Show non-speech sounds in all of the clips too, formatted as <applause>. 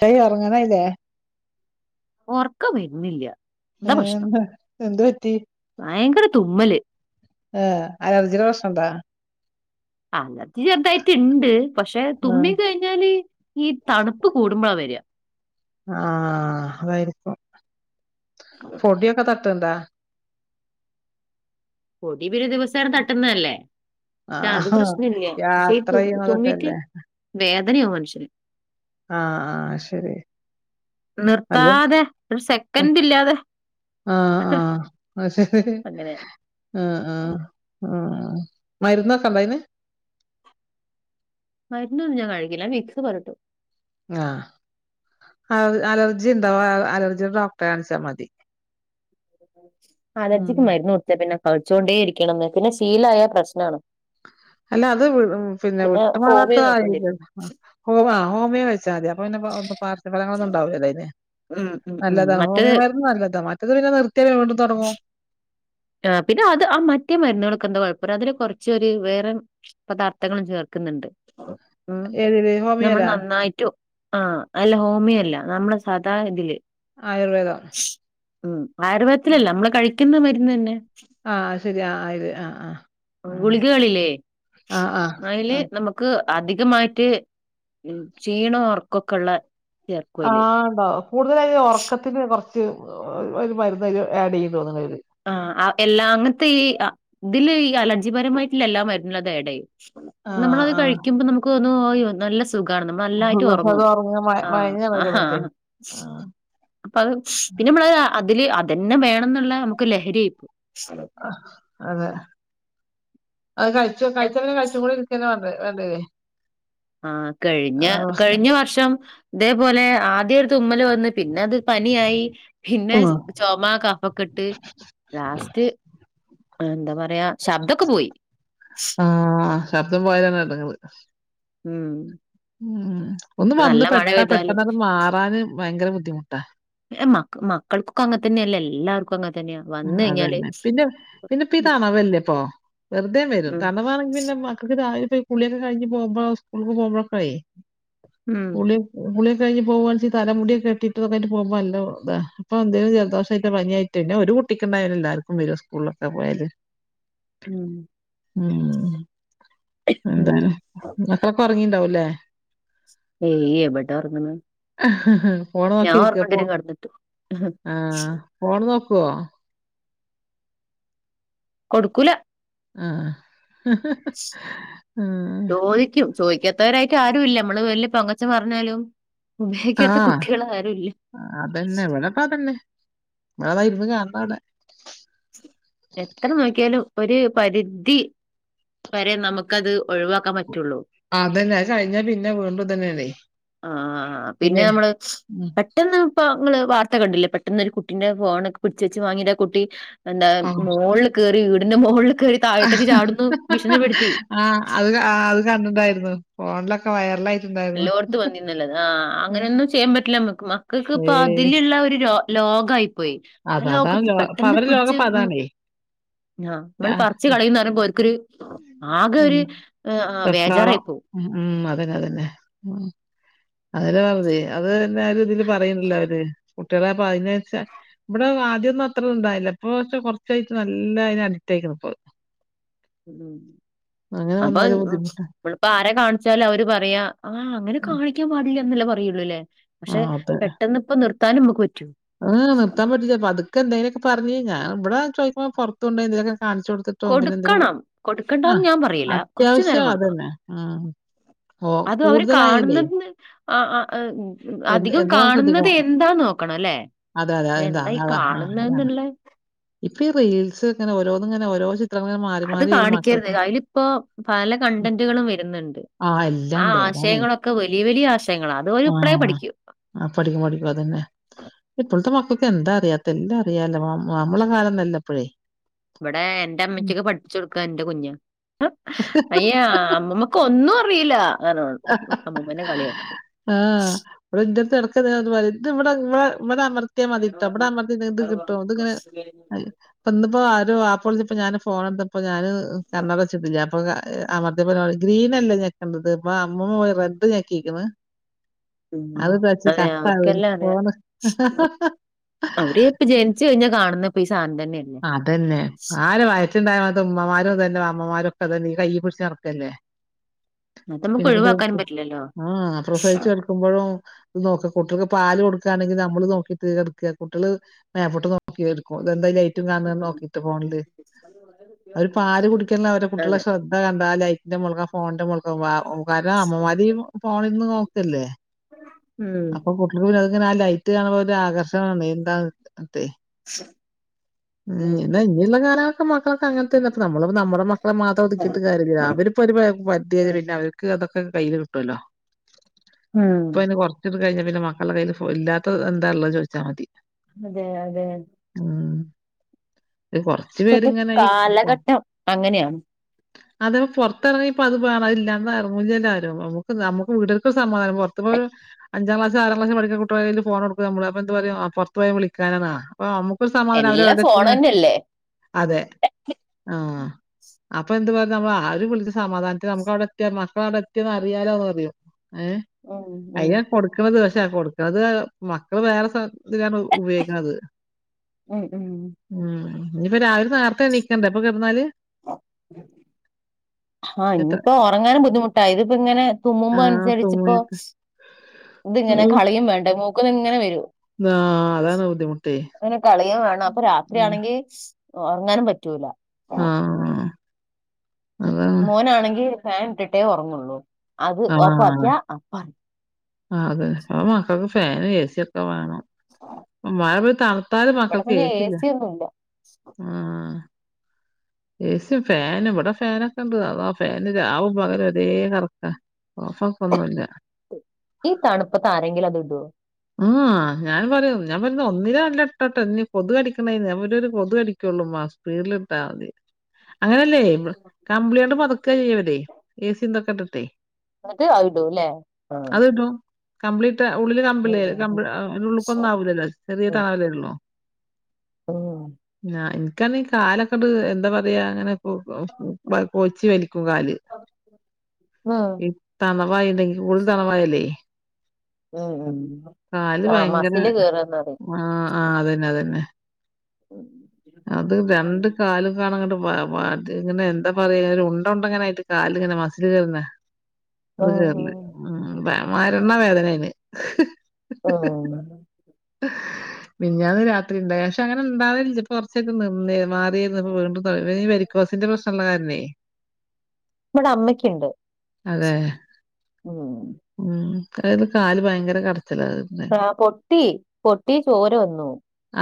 High ഒറങ്ങാനായില്ലെ ഒർക്കം വെര്ണില്ല ഹേന്താ എന്തു പറ്റി ഭയങ്കര തുമ്മല് ഏ അലർജിയുടെ പ്രശ്ണണ്ടാ? അലർജി ചെർതായിട്ട്ണ്ട് പക്ഷെ ആഹ് തുമ്മി കഴിഞ്ഞാല് ഈ തണുപ്പ് കൂടുമ്പളാ വര്യാ ആഹ് അതായിരിക്കും. പൊടിയൊക്കെ തട്ട്ണ്ടാ പൊടി പിന്നെ ദിവസേനെ തട്ടുന്നല്ലേ പക്ഷെ അത് ആഹ് പ്രശ്നഇല്ല പക്ഷെ യാത്ര ഈതുമ് ചെയ്യുന്നതൊക്കെ തുമ്മീട്ട് അല്ലേ വേദനയാവു മനുഷ്യന് ആഹ് ആഹ് ശരി അല്ല നിർത്താതെ ഒരു ഇപ്പം സെക്കൻറ് ഇല്ലാതെ ആഹ് ആഹ് അത്ശെരി അങ്ങനെ. ആഹ് ആഹ് ആഹ് മരുന്നൊക്കണ്ട അയ്ന് മരുന്നൊന്നും ഞാൻ കഴിക്കില്ല ഞാൻ വിക്സ് പൊരട്ടും ആഹ് അവ് അലർജി ഉണ്ടാവ അവ് അലർജിടെ ഡോക്ടറെ കാണിച്ചാൽ മതി ഉം അലർജിക്ക് മരുന്ന് കൊടുത്ത പിന്നെ കഴ്ച്ചുകൊണ്ടേ ഇരിക്കണംന്ന് പിന്നെ ശീലായ പ്രശ്നാണ് അല്ല അത് പിന്നെ ഹോമിയോ വിട്ട്മാറാത്തതായിലേ നോക്കേണ്ടി വരും. ആഹ് ഹോ ആഹ് ഹോമിയോ കഴിച്ചാൽമതി അപ്പൊ പിന്നെ പാർശ്വഫലങ്ങളൊന്നുംണ്ടാവില്ലല്ലോ അയ്ന് ഉം ഉം ഉം. നല്ലതാ മറ്റേ ഹോമിയോ മരുന്ന് നല്ലതാ മറ്റേത് പിന്നെ നിർത്തിയ വീണ്ടും തൊടങ്ങും ആഹ് പിന്നെ അത് ആ മറ്റേ മരുന്നുകൾക്കെ എന്താ കുഴപ്പ അതില് കൊർച്ചൊരു വേറെ പദാർത്ഥങ്ങളും ചേർക്കുന്നുണ്ട് ഉം ഏതില് നമ്മൾ ഹോമിയോലാ? നന്നായിട്ടോ ആഹ് അല്ല ഹോമിയോല്ല നമ്മള സാദാ ഇതില് ആയുർവേദം ഉം ആയുർവേദത്തിലല്ല നമ്മളെ കഴിക്കുന്ന മരുന്ന ന്നെ ആ ശരി. ആ ഇത് ആ ആ. ഉം. ഗുളികകളില്ലേ ആ ആ. അതില് ആ. നമ ക്ക് അധികമായിട്ട് ക്ഷീണ ഒറക്കൊക്കെ ഉള്ള ആഹ് ഉണ്ടോ കൂടുതലായി ഒറക്കത്തിന് കൊറച്ച് ഒരു മർന്നയ്ൽ ആഡ് ചെയ്യും തോന്നണ്ടയില് ആഹ് എല്ലാ അങ്ങനത്തെ ഈ ഇതില് അലർജിപരമായിട്ടുള്ള എല്ലാ മരുന്നുള്ളത് ഏടയും ആഹ് നമ്മളത് ആഹ്. കഴിക്കുമ്പോ നമുക്ക് ഓന്നും <unintelligible> നല്ല സുഖണ് നമ്മ നല്ലായിട്ട് പക്ഷെ അത് ഒറങ്ങും ഒറങ്ങ മ ആഹ് മയങ്ങാണ് കിടന്നിട്ടേ. ആഹ് ആ അപ്പ അത് പിന്നെ നമ്മള അതില് അതന്നെ വേണം എന്നുള്ള നമുക്ക് ലഹരിയി പോ ആഹ് അതെ അത് കൈച്ചു കയ്ച്ചപിന്നെ <unintelligible> ആഹ് കഴിഞ്ഞ പ്രശ്നം. കഴിഞ്ഞ വർഷം ഇതേപോലെ ആദ്യരു തുമ്മൽ വന്ന് പിന്നെ അത് പനിയായി പിന്നെ ഉം. ചൊമ കഫക്കെട്ട് ലാസ്റ്റ് എന്താ പറ പറയാ ശബ്ദൊക്കെ പോയി ആ ശബ്ദം പോയലാണെഡെങ്ങേർ ഉം ഉം ഒന്ന് ഇപ്പൊ നല്ല വന്ന് മഴ പെട്ടാ പെയ്താല് പെട്ടെന്ന അത് മാറാന് ഭയങ്കര ബുദ്ധിമുട്ടാ ഏ മക്ക മക്കൾക്കൊക്കെ അങ്ങത്തന്നെയല്ലേ ല്ലാവർക്കും ക്ക തന്നെയവാ അതന്നെ പിന്നെ പിന്നെപ്പ ഈ തണവല്ലേ ഇപ്പൊ വെറുതെ വെരും ഉം തണവാണെങ്കിൽ പിന്നെ മക്കക്ക് <unintelligible> കുളിയക്ക കഴഞ്ഞ് പോവുമ്പം സ്കൂൾക്ക് പോവുമ്പോക്കെ ഉം കുളി കുളിയൊക്കെ കഴിഞ് പോകവാണെചി തല മുടിയൊക്കെട്ടിട്ട് ഇതൊക്കായിട്ട് പോവുമ്പോ അല്ല ത അപ്പൊ എന്തങ്കിലും ജലദോഷമായിട്ടോ പനിയ പിന്നെ ഒരു കുട്ടിക്ക് ണ്ടായൽ എല്ലാർക്കും വരും സ്കൂളിലൊക്കെ പോയല് ഉം ഉം ഉം എന്താല മക്കളൊക്കെ ഒറങ്ങിണ്ടാവുംല്ലേ ഏയ് എവിടെ ഉറങ്ങണ് ഫോണ് ഞാൻ നോക്കിയിരിക്കുവ പോ ഉറങ്ങണ്ടരും കടന്നിട്ട് ആഹ് ഫോൺ നോക്കുവോ കൊടുക്കൂല ആഹ് ആ ചോദിക്കും ചോദിക്കാത്തവരായിട്ട് ആരും ഇല്ല നമ്മള് വല്യ പൊങ്ങച്ചം പറഞ്ഞാലും ഉപയോഗിക്കാത്ത കുട്ടികൾ ആരുംല്ല അതന്നെ ഇവിടെപ്പ അതന്നെ വതായിരുന്നു കാണം അവിടെ എത്ര നോക്കിയാലും ഒരു പരിധി വരെ നമുക്കത് ഒഴിവാക്കാൻ പറ്റുള്ളൂ ആഹ് അതന്നെ അ കഴിഞ്ഞാ പിന്നെ വീണ്ടും ഇതന്നേനെ ആ പിന്നെ ഉ പെട്ടെന്ന് ഇപ്പ നിങ്ങള് വാർത്ത കണ്ടില്ലേ പെട്ടെന്നൊരു കുട്ടിന്റെ ഫോണൊക്കെ പിടിച്ച് വെച്ച് വാങ്ങിട്ട കുട്ടി എന്താ ആ മുകളിൽ കയറി വീടിന്റെ മുകളിൽ കയറി താഴത്തേക്ക് ചാടന്ന് ഭീഷണപ്പെടുത്തി ആഹ് അത് അത് കണ്ടിണ്ടായിരുന്നു എല്ലോർത്ത് വന്നിന്നല്ലത് ആഹ് അങ്ങനെയൊന്നും ചെയ്യാൻ പറ്റില്ല നമ്മക്ക്മ്മ ഏ ഇപ്പൊ അതിലുള്ള ഒരു ലോകായി പോയി അത് ആ അതാണ് ലോകത്ത് ലോ അപ്പൊ പെട്ടെന്ന് അവരെ ലോകം പിടിച്ച്. അപ്പൊ അതാണേ ആഹ് ആ, നമ്മള് പറച്ച് കളയുന്നന്ന് പറയുമ്പോ ഒൽക് ക്കൊരു ആകെ ഉം, ഒരു വെപ്രാളം വേജാറായി പോകും. അത പറത അത്ന് ആയലും ഇതില് പറയണല്ലോ അവര് കുട്ടികളെ അപ്പ അതിന വെച്ച ഇവിടെ ആദ്യം ഒന്നും അത്രന്ന ഉണ്ടായില്ല ഇപ്പ പക്ഷെ കൊറച്ചായിട്ട് നല്ല അയിന് അടിറ്റ് ആയിക്കുന്ന ഇ ഉ അങ്ങനെ അപ്പൊ വന്നാലും ബുദ്ധിമുട്ടാ ഇമ്മളപ്പോ ആരെ കാണിച്ചാലും അവര് പറയാ ആഹ അങ്ങനെ ഉം. കാണിക്കാൻ പാടില്ല എന്നല്ലേ പറയുള്ളൂല്ലേ പക്ഷെ ആ പെട്ടന്ന് ഇപ്പ നിർത്താനും നമുക്ക് പറ്റോ. ആഹ് നിർത്തൻ പറ്റിച്ചേ അപ്പ അതൊക്കെന്തെനൊക്ക പറഞ്ഞി. ഇവിടെ ചോദിക്കുമ്പോ പുറത്തു കൊണ്ടൊയി എന്താ കിലും മോക്കെ കാണിച്ചു കൊടു കൊടുക്കണം കൊടുക്കണ്ടന്ന് ഞാൻ പറയില്ല കുറച്ചു നേരം അത്യാവശ്യം കൊടുക്കണം. അതന്നെ. ഉം. ഓ അത് അവര് കൂടുതലായാലേ കാണുന്നത് ആ എന്ത് അധികം എന്താ കാണുന്നത് ശ്രദ്ധിക്കണം. എന്താ നോ നക്കണല്ലേ അതെ, അതെ. അതെന്താ എന്താ അതാ അതാ. ആഹ് അതാണ്. കാണുന്നന്നുള്ളേ ഇപ്പൊ റീൽസ് ഇങ്ങനെ ഓരെന് ഇങ്ങന ഓരോ ചിത്രങ്ങൾ ഇങ്ങനെ മാറി അത് മാറി വരും കാണിക്കരുത്. മക്കൾക്ക്. അതിലിപ്പോ പല കണ്ടന്റുകളും വരുന്നുണ്ട്. ആഹ് എല്ലാംണ്ടാ അതാണ്. ഒകൊ വലിയ വലിയ ആശയങ്ങള. ആഹ ആ പഠിക്കും പഠിക്കും അതന്നെ ഇപ്പോഴത്തെ മക്കൾക്ക് എന്താ അറിയാത്ത്. എല്ലാം അറിയാലോ നമ്മളെ കാലംന്നല്ല എപ്പോഴേ ഇവിടെ എന്റെ അമ്മയ്ക്കൊക്കെ പഠിച്ച കൊടുക്കാ എന്റെ കുഞ്ഞ് അയ്യ അമ്മുമ്മ ഒന്നും അറിയില്ല അങ്ങന അമ്മൂമ്മനെ കളിയാക്കും ആഹ്. ഇവിടെ എന്റെ അടുത്ത് വനങ്ങട് പറയും ഇവിടെടെവിടെമ കട്ടിയ മാതിട്ട അവിട മ കിട്ടും ഇത് ഇങ്ങനെ ഇപ്പ ഇന്നിപ്പോ ആ വരെ വപ്പ ളിച്ചപം ഞാന് ഫോണ് എടുതപ്പോ ഞാന് കണ്ണട വെിട്ടില്ല. അപ്പൊ അമർത്തിയ ഗ്രീനല്ലേ ഞക്കേണ്ടത് ഇപ്പൊ അമ്മ പോയി റെഡ് ഞക്കിരിക്കുന്ന്. ഉം. അത് കുറച്ച് അതെ ട്ടാഫണ് അവർക്കെല്ലാം ഫോണ്. അവരപ്പം ജിനിച്ച് കഴിഞ്ഞാ കാണുന്നപ്പൊഈ സാധം തന്നെയാണ്. അതതന്നെ ആര് വയച്ചുണ്ടായ അത് ഉമ്മ്മാരും അതന്നെ മാമമ്മമാരും ഒക്കെ തന്നെ ഈ കൈയ് പിടിച്ച് നടക്കല്ലേ. അത് നമുക്ക് ഒഴിവാക്കാനും പിന്നെ പറ്റില്ലല്ലോ. ആഹ പ്രസിച്ചു കേടക്ക നക്കുമ്പോഴും നോക്കുക കുട്ടികൾക്ക് പാല് കൊടുക്കുകയാണെങ്കിൽ നമ്മള് നോക്കിട്ട് കിടക്കുക കുട്ടികള് മാേപോട്ട് നോക്കികൊടുകും എന്താ ലൈറ്റും കാണന്ന് ഉം. നോക്കിട്ട് ഫോണില് അവര് പാല് കുടിക്കല്ല അവരുടെ കുട്ടികളെ അതെ. ശ്രദ്ധ എ കണ്ടാ ലൈറ്റിന്റെ മോള്ക്ക് ഫോണിന്റെ മുക്ക്. കാര അമ്മമാരി ഫോണിക് നോക്കല്ലേ ഉം. അപ്പൊ പിന്ന അങ്ങനെ ആ ലൈറ്റ് കാണുമ്പോ ഒരു ആകർഷണ എന്താ ട്ടെ.. ഉ ഉ്ന്നെ ഇനിയുള്ള കാലങ്ങളൊക്കെ മക്കളൊക്കെ അങ്ങനതന്നെ മ്മള നമ്മുടെ മക്കളെ മാത്രം ഒതുക്കിട്ട് കാര്യമില്ലല്ല അവര്.. ഇപ്പൊ ഒരു പ പറ്റിത് പിന്നെ അവർക്ക് അതൊക്കെ കയ്യിയില് കിട്ടുല്ലോ ഉം. ഇപ്പ അയിന് കൊറ.. കഴഞ്ഞൽ പിന്നെ മക്കളുടെ കയ്യിൽ ഇല്ലാത്തത് എന്താ ള്ളത് ചോദിച്ചാൽ മതി. അതെ അതെ ഉം കൊറച്ചു ഇപ്പത്തെ പേര്ങ്ങ നൊയി ഈ.. കാലഘട്ടം അങ്ങനെയാണ് അതേ പുറത്തിറങ്ങി ഇപ്പ അത് വണംഇല്ലാന്ന് ഇറങ്ങുലല്ല ആരും നമു നമക്ക് വീട്ർക്കും സമാധാനം. പുറത്ത് പോരു.. അഞ്ചാം ക്ലസ് ആറാം ക്ലാസ് പഠിക്ക കുടട്ട്യാളെ കയ്യി ഫോൺടുക്കും നമ്മള് അപ്പ എന്ത പറയാ പുറത്ത് പോയ വിളിക്കാനാ.. നമുക്കുംസമാധം അവര് എവിടെ തി തന്നെയല്ലേ അതെ ആഹ അപ്പൊ എന്ത് പറയ നമ്മ ആ ഒരു വിളിച്ച സമാധാനത്തി നമക്ക് അവിടെ എയ മക്കളവിടെ എത്തിയെന്നു അറിയാലോന്ന്റിയും. ഏ ഓ ഓ കൊടുക്കണത് പക്ഷെ കൊടുക്കണത് മക്കള് വേറെ സ്ഥലതിലാണ് ഉപയോഗിക്കണത്. ഉം ഉം ഉം ഇഞ്ഞിപ്പ രാവിലെ നേരത്തെ എണ്ണീക്കണ്ടേ ഇപ്പൊ കിടന്നാല്. ആഹ എത്ര ഇനിയിപ്പോ ഉറങ്ങാനും ബുദ്ധിമുട്ടാ ഇതിപ്പോ ഇങ്ങനെ തുമ്മുമ്പോ അനുസരിച്ചിപ്പോ.. ആഹ് ഇതിങ്ങനെ കളിയും വേണ്ട മൂക്കൊന്ന് ഇങ്ങനെ വരും ആഹ അതാണ് ബുദ്ധിമുട്ടി അങ്ങനെ കളിയൻ വേണം അപ്പൊ രാത്രിയാണെങ്കി ഉറങ്ങാനും പറ്റൂല. ആഹ ആഹ് അതാണ്. മോനാണെങ്കിൽ ഫാൻ ഇട്ടിട്ടേ ഉറങ്ങുള്ളൂ അത് ഓഫ് ആക്കിയ അ പറ.. ആ അതെ അ മക്കൾക്ക് ഫാനും എ സിയക്കെ വേണം മഴെ പോയി ത.. തലും ഇവിടെ മക്കൾക്ക പിന്നെ എ ഏസി വേണം സി ഒന്നും ഇല്ല ആഹ ഏ സിയും ഫാനും ഇവിടെ ഫാനൊക്കെ ഉണ്ട്തോ ആ ഫാന് രാവും പകരം ഒരേ കറക്കാ.. ഓഫാക്കും ഒന്നുല്ല. ഈ തണുപ്പത്ത് ആരെങ്കിലും അത് ഇടോ? ആ ഞാൻ പറയൂ ഞാൻ പറയുന്നു ഒന്നിന രല്ല ഇട്ടോട്ടോ ഇനി കൊതു കടിക്കണായി ഒരു കൊതു കടിക്കുള്ളൂ ഉമ്മാ.. സ്പീഡിലിട്ടാൽ മതി. അങ്ങനെയല്ലേ കമ്പ്ളിയണ്ട് പൊതക്കെ ചെയ്യവരേ ഏസിന്തൊക്കെ ഇട്ടിട്ടെ. എന്നിട്ട് ആവിടല്ലേ ആ, കമ്പ്ലീറ്റ് ഉള്ളില് കമ്പിളി ഉം ഉള്ളുക്കൊന്നും ആവൂലല്ലോ ചെറിയ ഉം തണാവലേ ഉള്ളോ. ഉം ഉം എനിക്കാണ് കാലൊക്കെട് എന്താ പറയാ അങ്ങനെ.. കോച്ചി വലിക്കും കാല്. ഉം തണവായി ഉണ്ടെങ്കിൽ കൂടുതൽ തണവായല്ലേ. ഉം ഉം കാല് ആ ഭയങ്കര മസില് കേറാന്നറിം വേദന ആ ആ അതന്നെ അതന്നെ. ഉ അത് രണ്ട് കാലും കാണങ്ങട്ട് വ വ ത് ഇങ്ങനെ എന്താ പറയാ ഉണ്ട ഉണ്ടെങ്ങനെ ആയിട്ട് കാലിങ്ങനെ മസില് കേറുന്നേ. അത് കേറ ഉം ഉ മരണ വേദനേണ്. മിനിഞ്ഞാന്ന് രാത്രി ഉണ്ട പക്ഷെ അങ്ങനെ ഇണ്ടാവലില്ല.. നിന്ന മാറിന്ന് വീണ്ടും ഇ വരിക്കോസിന്റെ പ്രശ്നമ ഉള്ള കാരനേ, നമ്മുടെ അമ്മയ്ക്കുണ്ട്. അതെ ഉം ഉം അതത് കാല് ഭയങ്കര കടച്ചില അത്.. ആഹ് പൊട്ടി പൊട്ടി ചോര വന്നു.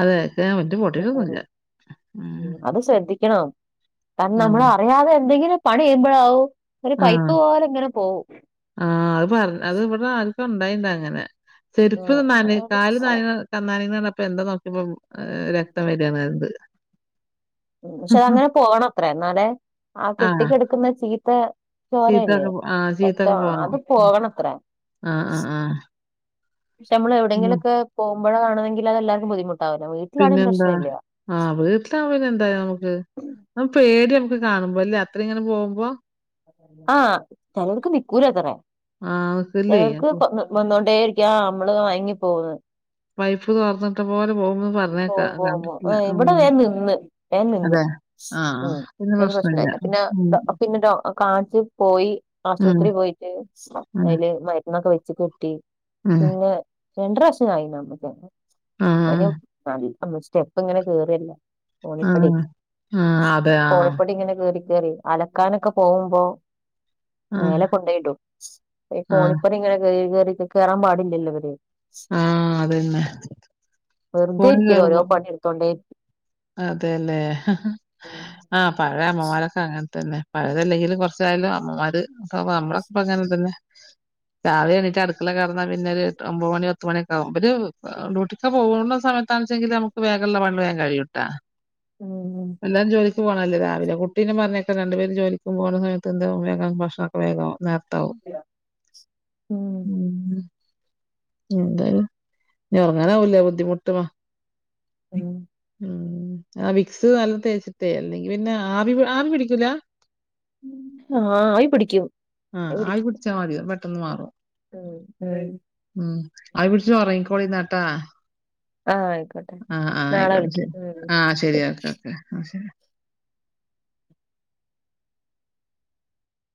അതെ <unintelligible> ഉം. ഉം അത് ശ്രദ്ധിക്കണം. കാരണം ആഹ്. നമ്മള് അറിയാതെ എന്തെങ്കിലും പണി ചെയ്യുമ്പോഴാവും ഒരു പൈപ്പ് ആഹ്. പോലെ ഇങ്ങനെ പോവും. ആഹ് അത് പറ അത് ഇവിടെ ആർക്കോ ഉണ്ടായേണ്ട് അങ്ങനെ. ചെരുപ്പ് ഉം നന അത് കാല് നനയണ കന്നാലിന്ന് പറഞ്ഞപ്പോ എന്താ നോക്കിയപ്പോ രക്തം വരാണത്. ഉം പക്ഷെ അതങ്ങനെ പോണം അത്രെ. എന്നാലെ ആ ആഹ്. കെട്ടിക്കെടുക്കുന്ന ചീത്ത ചോര ഇല്ലേ ചീത്തൊക്കെ ആഹ് ചീത്തൊക്കെ രക്തം പോണു. അത് പോകണത്രേ. ആഹ് ആഹ് ആഹ്. പക്ഷെ നമ്മൾ ഉം. എവിടെങ്കിലൊക്കെ പോകുമ്പോഴാണെങ്കി അതെല്ലാവർക്കും ബുദ്ധിമുട്ടാവൂല്ലെ. വീട്ടിലാണെങ്കി പിന്നെന്താ? പ്രശ്ന ഇല്ല. ആഹ് വീട്ടിലാവുമ്പേ പിന്നെ എന്തായാലും നമുക്ക്. നമുക്ക് പേടിയാ നമുക്ക് കാണുമ്പോ അല്ലേ? അത്ര ഇങ്ങനെ പോകുമ്പോ. ആഹ് ചിലവർക്ക് നിക്കൂലത്രേ. ആഹ്. നിക്കില്ലേ? ചിലവർക്ക് അപ്പൊ കൊ വന്നോണ്ടിരിക്കാ. നമ്മള് മയങ്ങി പോകുന്ന്. പൈപ്പ് തൊറന്നിട്ട പോലെ പോകുംന്ന് പറഞ്ഞേക്കാ. പോം പോം പോം കണ്ടിട്ടില്ല. ഇവിടെ ഉം. വേം നിന്ന്. വേം അതെ. നിന്ന്. ആ ഉം പിന്നെ പ്രശ്നം പ്രശ്നമില്ല. ഇല്ല. പിന്നെ ഉം. ഡോ പിന്നെ ഡോ കാണിച്ച് പോയി ഉം. ആശുപത്രി പോയിട്ട് ഉം. അയ്ല് മരുന്നൊക്കെ വെച്ച് കെട്ടി. ഉം. പിന്നെ രണ്ട് പ്രാവശ്യം ആ. <unintelligible> മാറി. അമ്മ സ്റ്റെപ്പ് ഇങ്ങനെ കേറല്ലേ. ആ. കോണിപ്പടി ആ. അതെ. ആ. കോണിപ്പടി ഇങ്ങനെ കേറി കേറി അലക്കാനൊക്കെ പോകുമ്പോ ആ. മേലെ കൊണ്ടോയ്ടും ഈ ആ. ഗോണിപ്പടി ഇങ്ങനെ കേറി കേറി കെയറാൻ പാടില്ലല്ലോ ഇവര്. ആഹ് അതന്നെ. വെറുതേ ഫോണിൽ ഇരിക്കില്ലാ. ഓരോ കേറുമ്പോ പണിയെടുത്തോണ്ടിരിക്കും. അതെല്ലേ. ആഹ് പഴയ അമ്മമാരൊക്കെ അങ്ങനെ തന്നെ പ. ഴയതല്ലെങ്കിലും കുറച്ചായാലും അമ്മമാര് നമ്മളൊക്കെ അങ്ങനെ തന്നെ. രാവിലെ എണീട്ട് അടുക്കളെ കടന്നാ പിന്നെ ഒരു ഒമ്പത് മണി പത്തുമണിയൊക്കെ ആകും. അവര് ഡ്യൂട്ടിക്ക് പോകുന്ന സമയത്താണെച്ചെങ്കി നമുക്ക് വേഗമുള്ള പണികള് വേഗം കഴിയൂട്ടാ. ഉം എല്ലാ ജോലി ക്കു പോണതല്ലേ രാവിലെ. കുട്ടീനെ പറഞ്ഞയക്കാൻ രണ്ടുപേര് ജോലിക്കും പോകണ സമയത്ത് എന്താ വേഗം ഭക്ഷണൊക്കെ വേഗാവും നേര ട്ടോ ഉം എന്തണ് ഇനി ഇറങ്ങാനാവൂല്ലേ ബുദ്ധിമുട്ട്. മ ഉം ഉം ആ വിക്സ് നല്ല തേച്ചട്ടേ അല്ലെങ്കി പിന്നെ ആവി പിടിക്കൂല? ആഹ് ആവി പിടിക്കും. ആഹ് ആവി പിടിച്ചാ മതി. പെട്ടെന്ന് മാറും. ഉം ഉം ആവി പിടിച്ചു ഉറങ്ങിക്കോളി എന്നാട്ടാ. ആഹ് ആയിക്കോട്ടെ ആഹ് ആഹ് നാളെ ആയിക്കോട്ടെ ശരി. വിളിക്കാം ആഹ് ഉം ശരി. ഓക്കെ ഓക്കെ ആഹ് ശരി.